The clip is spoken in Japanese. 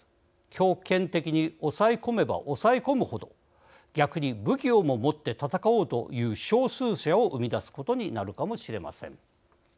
強権的に抑え込めば抑え込むほど逆に武器をも持って戦おうという少数者を生み出すことになるかもしれません。